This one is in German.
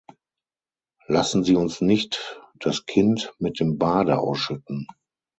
Lassen Sie uns nicht das Kind mit dem Bade ausschütten.